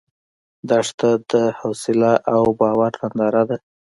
دښته د حوصله او باور ننداره ده.